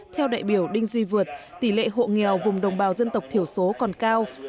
theo đại biểu đinh duy vượt tỷ lệ hộ nghèo vùng đồng bào dân tộc thiểu số còn cao